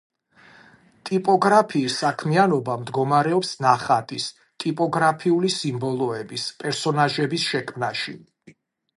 ტიპოგრაფის საქმიანობა მდგომარეობს ნახატის, ტიპოგრაფიული სიმბოლოების, პერსონაჟების შექმნაში.